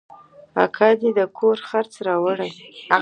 اکا دې د کور خرڅ راوړي.